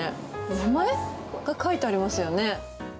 名前が書いてありますよね。